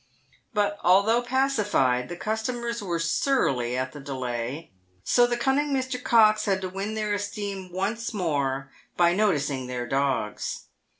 But although pacified, the customers were surly at the delay. So the cunning Mr. Cox had to win their esteem once more, by noticing their dogs.